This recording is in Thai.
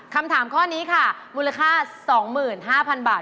คำถามข้อนี้ค่ะมูลค่า๒๕๐๐๐บาท